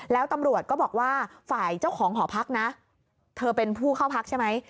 แล้วตำรวจก็บอกว่าฝ่ายเจ้าของหอพักนะเธอเป็นผู้เข้าพักใช่ไหม